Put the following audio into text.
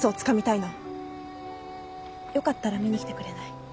よかったら見に来てくれない？